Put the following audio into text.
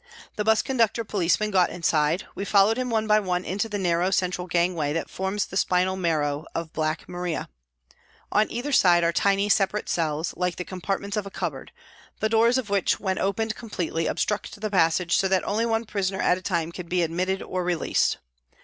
The 'bus conductor policeman got inside ; we followed him one by one into the narrow central gangway that forms the spinal marrow of Black Maria. On either side are tiny separate cells, like the compartments of a cupboard, the doors of which when opened completely obstruct the passage so that only one prisoner at a time can be admitted or released.